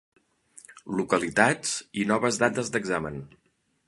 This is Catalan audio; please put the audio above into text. Localitats i noves dates d'examen.